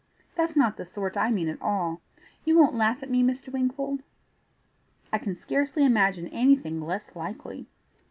That's not the sort I mean at all. You won't laugh at me, Mr. Wingfold?" "I can scarcely imagine anything less likely."